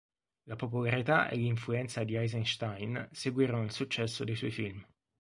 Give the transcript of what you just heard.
La popolarità e l'influenza di Ejzenštejn seguirono il successo dei suoi film.